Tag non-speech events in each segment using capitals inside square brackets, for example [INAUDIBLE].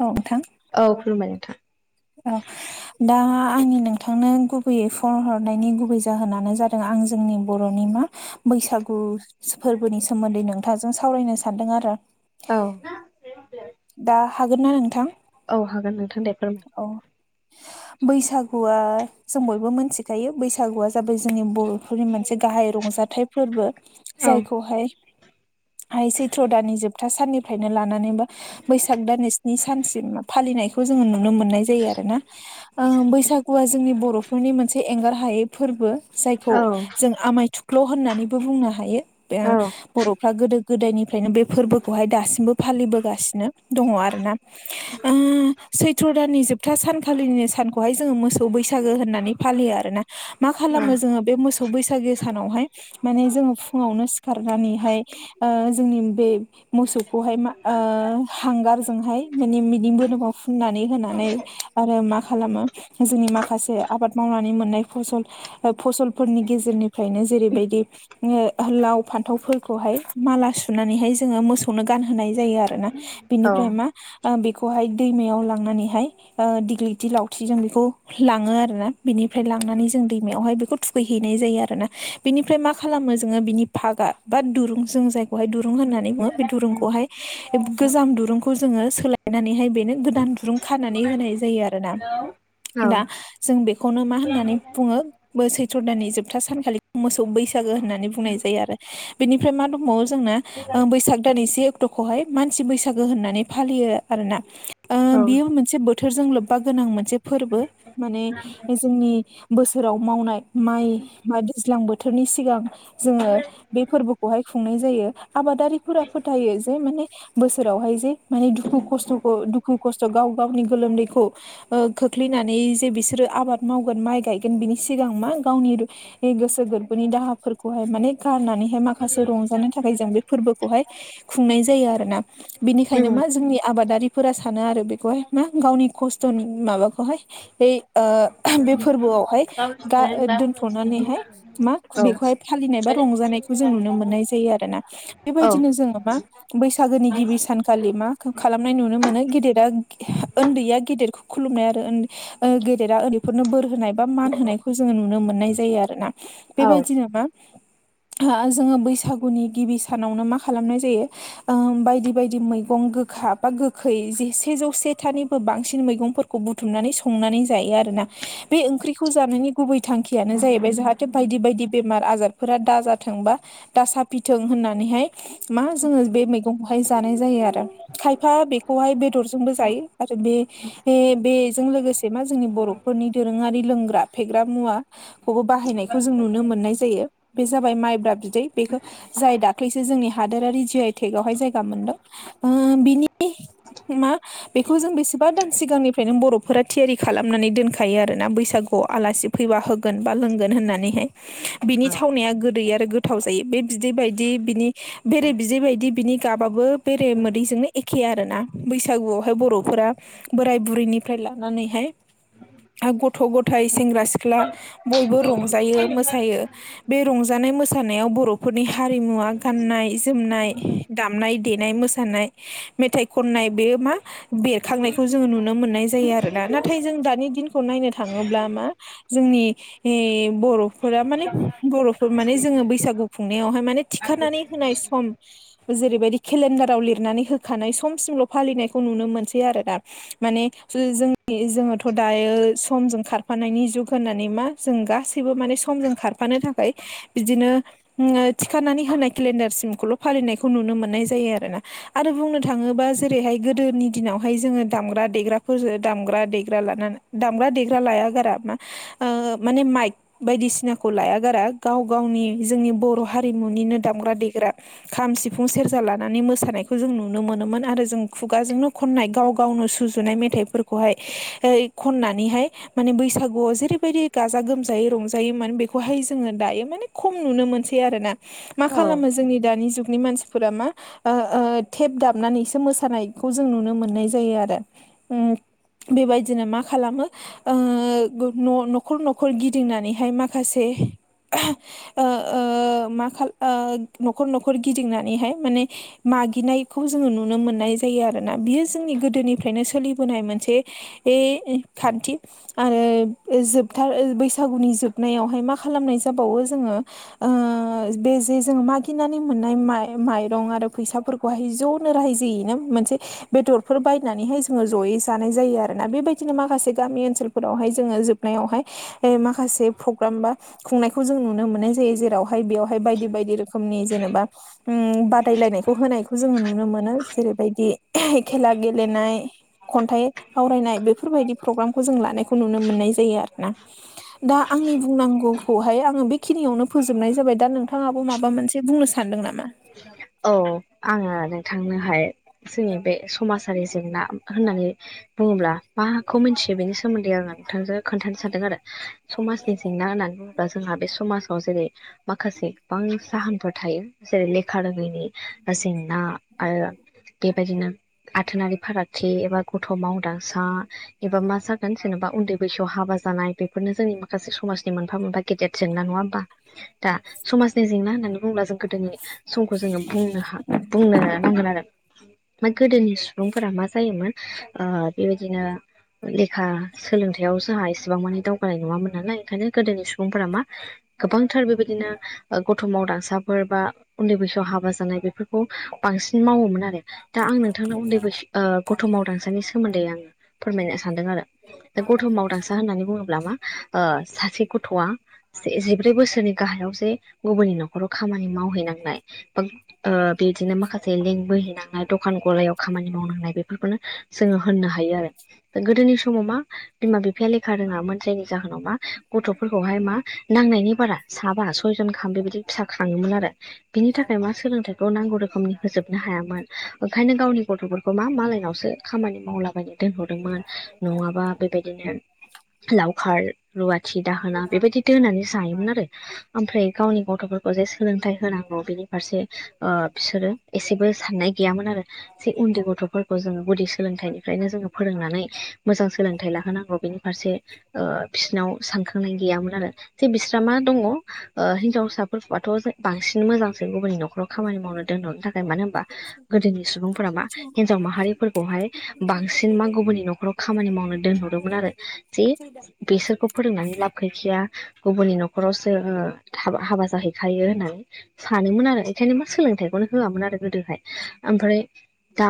औ नोंथां औ खुुलुमबाय नोंथां औ दा आंनि नोंथांनो गुबैयै फन हरनायनि गुबै जाहोनानो जादों आं जोंनि बर'नि मा बैसागु फोरबोनि सोमोन्दै नोंथांजों सावरायनो सानदों आरो औ दा हागोन ना नोंथां? औ हागोन नोंथां दे फोरमाय औ बैसाग हुआ जों बयबो मिथिखायो बैसागुआ जाबाय जोंनि बर'फोरनि मोनसे गाहाय रंजाथाइ फोरबो औ जायखौहाय हाय सैथ्र' दानि जोबथा साननिफ्रायनो लानानै बा बैसाग दाननि स्नि सानसिम फालिनायखौ जोङो नुनो मोननाय जायो आरो ना ओ बैसागुआ जोंनि बर'फोरनि मोनसे एंगार हायै फोरबो जायखौ औ जों आमाय थुख्ल' होननानैबो बुंनो हायो ओ औ बर'फ गोदो गोदायनिफ्रायनो बे फोरबोखौहाय दासिमबो फालिबोगासिनो दङ आरोना आ थ्र दाननि जोबथा सानखालिनि सानखौहाय जोङो मोसौ बैसागो होननानै फालियो आरोना। मा औ खालामो जोङो बे मोसौ बैसागो सानावहाय माने जोङो फुङावनो सिखारनानैहाय ओ जोंनि बे मोसौखौहाय मा ओ हांगारजोंहाय माने बिदि बोदोमाव फुननानै होनानै आरो मा खालामो जोंनि माखासे आबाद मावनानै मोननाय फसल ओ फसलफोरनि गेजेरनिफ्रायनो जेरैबायदि ओ लाव फान्थावफोरखौहाय माला सुनानैहाय जोङो मोसौनो गानहोनाय जायो आरोना औ बेनिफ्राय मा बेखौहाय दैमायाव लांनानैहाय ओ दिग्लिथि लावथि जों बेखौ लाङो आरोना बिनिफ्राय लांनानै जों दैमायावहाय बेखौ थुखैहैनाय जायो आरोना बिनिफ्राय मा खालामो जोङो बिनि फागा बा दुरुं जों जायखौहाय दु रुं होननानै बुङो बे दुंखौहाय गोजाम दुंखौ जोङो सोलाय नानैहाय बेनो गोदान दुरुं खानानै होनाय जायो आरोना दा जों बेखौनो मा होननानै बुङो बो सैथ्र' दाननि जोबथा सानखालि मोसौ बैसागो होननानै बुंनाय जायो आरो। बेनिफ्राय मा दंबावो जोंना ओ बैसाग दानै से अक्ट'खौहाय मानसि बैसागो होननानै फालियो आरो ना ओ बियो मोनसे बोथोरजों लोब्बा गोनां मोनसे फोरबो माने जोंनि बोसोराव मावनाय माइ बा दैज्लां बोथोरनि सिगां जोङो बे फोरबोखौहाय खुंनाय जायो आबादारिफोरा फोथायो जे माने बोसोरावहाय जे माने दुखु खस्थ'खौ दुखु खस्थ' गाव गावनि गोलोमदैखौ ओ खोख्लैनानै जे बिसोरो आबाद मावगोन माइ गायगोन बिनि सिगां मा गावनि बे गोसो गोरबोनि दाहाफोरखौहाय माने गारनानै माखासे रंजानो थाखाय जों बे फोरबोखौहाय खुंनाय जायो आरोना बिनिखायनो मा जोंनि आबादारिफोरा सानो आरो बेखौहाय मा गावनि खस्थ' माबाखौहाय एइ ओ बे फोरबोआवहाय गा दोनथ'नानैहाय मा बेखौहाय फालिनाय बा रंजानायखौ जों नुनो मोननाय जायो आरोना औ बेबायदिनो जोङो मा बैसागोनि गिबि सान खालि मा खालामनाय नुनो मोनो गेदेरा उन्दैया गेदेरखौ खुलुमनाय आरो ओ गेदेरा ओन्दैफोरनो बोर होनाय बा मान होनायखौ जोङो नुनो मोननाय जायो आरो ना औ बेबायदि मा ओ जोङो बैसागुनि गिबि सानावनो मा खालामनाय जायो ओम बायदि बायदि मैगं गोखा बा गोखै जे से जौ से थानिबो बांसिन मैगंफोरखौ बुथुमनानै संनानै जायो आरोना बे ओंख्रिखौ जानायनि गुबै थांखियानो जाहैबाय जाहाथे बायदि बायदि बेमार आजारफोरा दाजाथों बा दा साफिथों होननानैहाय मा जोङो बे मैगंखौहाय जानाय जायो आरो खायफा बेखौहाय बेदरजों जोंबो जायो आरो बे ए बेजों लोगोसे मा जोंनि बर'फोरनि दोरोङारि लोंग्रा फेग्रा मुवा खौबो बाहायनायखौ जों नुनो मोननाय जायो बे जाबाय माइब्रा बिदै बेखौ जाय दाख्लैसो जोंनि हादोरारि जि आइ टेकावहाय जायगा मोनदों बिनि मा बेखौ जों बेसेबा दान सिगांनिफ्रायनो बर'फोरा थियारि खालामनानै दोनखायो आरोना बैसागुआव आलासि फैबा होगोन बा लोंगोन होननानैहाय बिनि थावनाया गोदै आरो गोथाव जायो बे बिदै बायदि बिनि बेरै बिदै बायदि बिनि गाबाबो बेरे मोदैजोंनो एखे आरोना बैसो बैसागुआवहाय बर'फोरा बोराय बुरैनिफ्राय लानानैहाय ग'थ गथ' गथाइ सेंग्रा सिख्ला बयबो रंजायो मोसायो बे रंजानाय मोसानायाव बर'फोरनि हारिमुवा गाननाय जोमनाय दामनाय देनाय मोसानाय मेथाइ खननाय बेयो मा बेरखांनायखौ जोङो नुनो मोननाय जायो आरोना नाथाय जों दानि दिनखौ नायनो थाङोब्ला मा जोंनि बर'फोरा माने बर'फोर माने जोङो बैसागु खुंनायावहाय माने थिखानानै होनाय सम जेरैबायदि केलेन्डाराव लिरनानै होखानाय समसिमल' फालिनायखौ नुनो मोनसै आरो दा माने जोंनि जोङोथ' दायो समजों खारफानायनि जुग होननानै मा जों गासैबो माने समजों खारफानो थाखाय बिदिनो थिखानानै होनाय केलेन्डार सिमखौल' फालिनायखौ नुनो मोननाय जायो आरो ना आरो बुंनो थाङोबा जेर ओेरैहाय गोदोनि दिनावहाय जोङो दामग्रा देग्राफोरजों दामग्रा देग्रा लानानै दामग्रा देग्रा लाया गारा मा माने माइक बायदिसिनाखौ लाया गारा गाव गावनि जोंनि बर' हारिमुनिनो दामग्रा देग्रा खाम सिफुं सेरजा लानानै मोसानायखौ जों नुनो मोनोमोन आरो जों खुगाजोंनो खननाय गाव गावनो सुजुनाय मेथाइफोरखौहाय खननानैहाय माने बैसागुआव जेरैबायदि गाजा गोमजायै रंजायोमोन बेखौहाय जोङो दायो माने खम नुनो मोनसै आरोना मा औ खालामो जोंनि दानि जुगनि मानसिफोरा मा टेब दाबनानैसो मोसायो मोसानायखौ जों नुनो मोननाय जायो आरो बेबायदिनो मा खालामो न'खर न'खर गिदिंनानैहाय माखासे मा न'खर न'खर गिदिंनानैहाय माने मागिनायखौ जोङो नुनो मोननाय जायो आरोना बियो जोंनि गोदोनिफ्रायनो सोलिबोनाय मोनसे ए खान्थि आरो जोबथार बैसागुनि जोबनायावहाय मा खालामनाय जाबावो जोङो बे जे जोंङो मागिनानै मोननाय म माइरं आरो फैसाफोरखौ बेहाय ज'नो रायजोयै ना मोनसे बेदरफोर बायनानैहाय जोङो ज'यै जानाय जायो आरोोना बेबायदिनो माखासे गामि ओनसोलफोरावहाय जोङो जोब हाबनायावहाय माखासे प्रग्राम बा खुंनायखौ जों नुनो मोननाय जायो जेरावहाय बेवहाय बायदि बायदि रोखोमनि जेनेबा उ बादायलायनायखौ होनायखौ जोङो नुनो मोनो जेरैबायदि खेला गेलेनाय खन्थाइ आवरायनाय बेफोरबायदि प्रग्रामखौ जों लानायखौ नुनो मोननाय जायो आरो ना दा आंनि बुंनांगौखौहाय आङो बेखिनियावनो फोजोबनाय जाबाय दा नोंथाङाबो माबा मोनसे बुंनो सान सान्दों नामा औ आङो नोंथांनोहाय जोंनि बे समाजारि जेंना होननानै बुङोब्ला माखौ मिथियो बेनि सोमोन्दै आङो नोंथांजों खोन्थानो सानदों आरो समाजनि जेंना होननानैबो जोंहा बे समाजाव जेरै माखासे गोबां जाहोनफोर थायो जेरैे लेखा खा रोंङैनि जेंना आरो बेबायदिनो आथोनारि फारागथि एबा गथ' मावदांसा एबा मा जागोन जेन'बा उन्दै बैसोआव हाबा जानाय बेफोरनो जोंनि माखासे समाजनि मोनफा मोनफा गेदेर जेंना नङा ओमबा दा समाजनि जेंना होननानै बुंब्ला जों गोदोनि समखो जोङो बुंनो बुंनो नांगोन आरो ओमफाय गोदोनि सुबुंफोरा मा जायोमोन ओ बेबायदिनो लेखा सोलोंथाइयाव जोंहा इसेबां माने दावगानाय नङामोन नालाय ओंखायनो गोदोनि सुबुंफोरा मा गोबांथार बेबायदिनो गथ'मावदांसाफोर बा उन्दै बैसोआव हाबा जानाय बेफोरखौ बांसिन मावोमोन आरो दा आं नोंथांनाव उन्दै ब गथ' मावदांसानि सोमोन्दै आङो फोरमायनो सानदों आरो दा गथ' मावदांसा होननानै बुङोब्ला मा ओ सासे गथ'आ जिब्रै बोसोरनि गाहायाव जे गुबुननि नखराव खामानि मावहैनांनाय बा ओ बिदिनो माखासे लेंबोहोयनांनाय दखान गलायाव खामानि मावनांनाय बेफोरखौनो जोङो होननो हायो आरो गोदोनि समाव मा बिमा बिफाया लेखा रोङामोन जायनि जाहोनाव मा गथ'फोरखौहाय मा नांनायनि बारा साबा सयजन खाहाम बेबायदि फिसा खाङोमोन आरो बिनि थाखाय मा सोलोंथाइखौ नांगौ रोखोमनि होजोबनो हायामोन ओंखायनो गावनि गथ'फोर बेखौ मा मालायनावसो खामानि मावलाबायनो दोनहरदोंमोन नङाबा बेबायदिनो लावखार रुवाथि दाहोना बेबायदि दोननानै जायोमोन आरो ओमफ्राय गावनि गथ'फोरखौ जे सोलोंथाइ होनांगौ बिनि फारसे ओ बिसोरो एसेबो साननाय गैयामोन आरो जे उन्दै गथ'फोरखौ जोङो गुदि सोलोंथाइनिफ्रायनो जोङो फोरोंनानै मोजां सोलोंथाइ लाहोनांगौ बेनि फारसे बिसिनाव सानखांनाय गैयामोन आरो जे बिस्र मा दङ ओ हिनजावसाफोरफोरखौथ' बांसिन [UNINTELLIGIBLE] गुबुननि नखराव खामानि मावनो दोनहरनो थाखाय मानो होनबा गोदोनि सुबुंफोरा मा हिनजाव माहारिफोरखौहाय बांसिन मा बा गुबुननि नखराव खामानि मावनो दोनहरदोंमोन आरो जि बेसोरखौ फोरोंनानै लाब गैखाया गुबुननि नखरावसो थाब हाबा जाहैखायो होननानै सानोमोन आरो बेखायनो मा सोलोंथाइखौनो होआमोन आरो गोदोहाय ओमफ्राय दा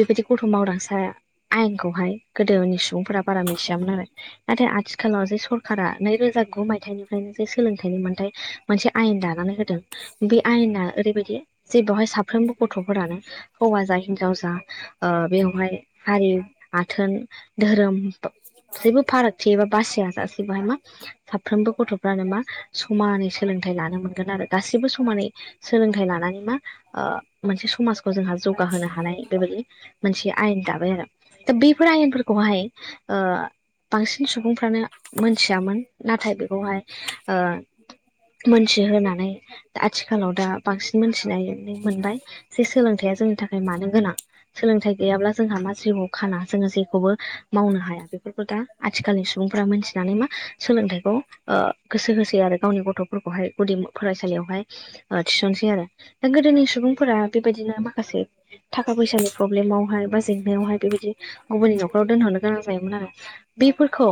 बेबायदि गथ' मावदांसाया आयेनखौहाय गोदोनि सुबुंफोरा बारा मिथियामोन आरो नाथाय आथिखालाव जे सरखारा नैरोजा गु मायथाइनिफ्रायनो जे सोलोंथाइनि मोन्थाय मोनसे आयेन दानानै होदों बे आयना ओरैबायदि जे बेहाय साफ्रोमबो गथ'फोरानो हौवा जा हिनजाव जा ओ बेवहाय हारि आथोन धोरोम जेबो फाराग जेबा बासिया सिबायहा मा साफ्रोमबो गथ'फ्रानो मा समानै सोलोंथाइ लानो मोनगोन आरो गासिबो समानानै सोलोंथाइ लानानै मा ओ मोनसे समाजखौ जोंहा जौगाहोनो हानाय बेबायदि मोनसे आयेन दाबाय आरो दा बेफोर आयेनफोरखौहाय ओ बांसिन सुबुंफ्रानो मोनथियामोन नाथाय बेखौहाय ओ मोनथि होनानै आथिखालाव दा बांसिन मोनथिनानै मोनबाय जे सोलोंथाइया जोंनि थाखाय मानो गोनां सोलोंथाइ गैयाब्ला जोंहा मा जिउआव खाना जोङो जेखौबो मावनो हाया बेफोरखौ दा आथिखालनि सुबुंफ्रा मिथिनानै मा सोलोंथाइखौ ओ गोसो होसो आरो गावनि गथ'फोरखौहाय गुदि फरायसालियावहाय ओ थिसनसै आरो दा गोदोनि सुबुंफोरा बेबायदिनो माखासे थाखा फैसानि प्रब्लेमावहाय बा जेंनायावहाय बेबायदि गुबुननि नखराव दोनहरनो गोनां जायोमोन आरो बेफोरखौ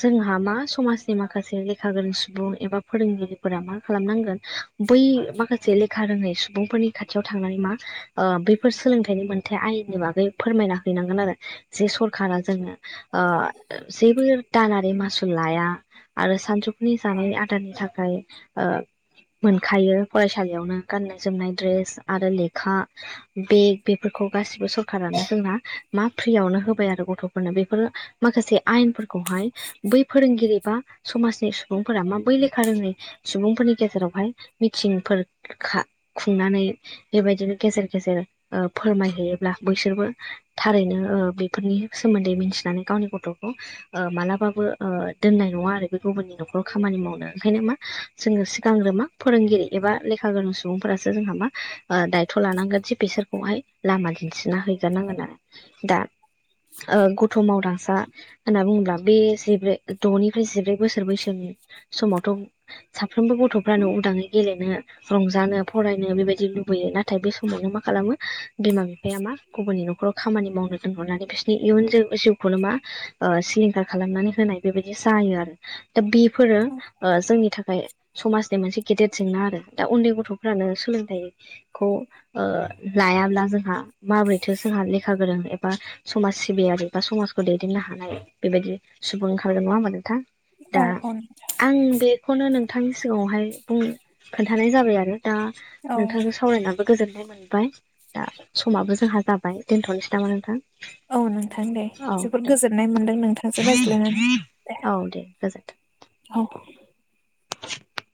जोंहा मा समाजनि माखासे लेखा गोरों सुबुं एबा फोरोंगिरिफोरा मा खालामनांगोन बै माखासे लेखा रोङै सुबुंफोरनि खाथियाव थांनानै मा ओ बैफोर सोलोंथाइनि मोन थाय आयेननि बागै फोरमायना हैनांगोन आरो जे सरखारा जोंनो ओ जेबो दालारि मासुल लाया आरो सानजौफुनि जानाय आदारनि थाखाय मोनखायो फरायसालियावनो गान्नाय जोमनाय द्रेस आरो लेखा बेग बेफोरखौ गासिबो सरखारानो जोंना मा फ्रियावनो होबाय आरो गथ'फोरनो बेफोर माखासे आयेनफोरखौहाय बै फोरोंगिरि बा समाजनि सुबुंफोरा मा बै लेखा रोङै सुबुंफोरनि गेजेराव हाय मिथिंफोर खुंनानै बेबायदिनो गेजेर गेजेर फोरमायहैयोब्ला बैसोरबो थारैनो बेफोरनि सोमोन्दै मिथिनानै गावनि गथ'खौ मालाबाबो दोननाय नङा आरो बे गुबुननि न'खराव खामानि मावनो ओंखायनो मा जोङो सिगांग्रो मा फोरोंगिरि एबा लेखा गोरों सुबुंफोरासो जोंहा मा दायथ' लानांगोन जि बिसोरखौहाय लामा दिन्थिना हैगोन आङोन दा गथ' मावदांसा होनना बुङोब्ला बे जिब्रै द'निफ्राय जिब्रै बोसोर बैसोनि समावथ' साफ्रोमबो गथ'फ्रानो उदाङै गेलेनो रंजानो फरायनो बेबायदि लुबैयो नाथाय बे समावनो मा खालामो बिमा बिफाया मा गुबुननि न'खराव खामानि मावनो दोनहरनानै बिसोरनि इयुन जिउखौल मा सिलिंखार खालामनानै होनाय बेबायदि जायो आरो दा बेफोरो जोंनि थाखाय समाजनि मोनसे गेदेर जेंना आरो दा उन्दै गथ'फ्रानो सोलोंथाइखौ ओ लायाब्ला जोंहा माबोरैथो जोंहा लेखा गोरों एबा समाज सिबियारि बा समाजखौ दैदेननो हानाय बेबायदि सुबुं ओंखारगोन नङा होमबा नोंथां। औ दा औ आं बेखौनो नोंथांनि सिगाङावहाय बुं खोन्थानाय जाबाय आरो। दा औ नोंथांजों सावरायनानै गोजोननाय मोनबाय दा समाबो जोंहा जाबाय दोनथ'नोसै नामा नोंथां? औ नोंथां दे औ जोबोद दे गोजोननाय मोनदों नोंथांजों रायज्लायनानै औ दे गोजोन्थों औ [INAUDIBLE]